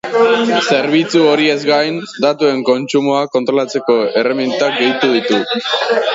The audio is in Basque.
Zerbitzu horiez gain, datuen kontsumoa kontrolatzeko erremintak gehitu ditu.